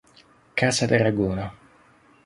Casa d'Aragona